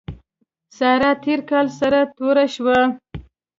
سارا تېر کال سر توره شوه.